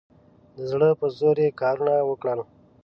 د زړه په زور یې کارونه وکړل.